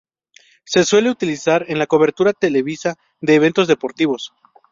Se suele utilizar en la cobertura televisiva de eventos deportivos.